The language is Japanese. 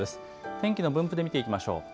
天気の分布で見ていきましょう。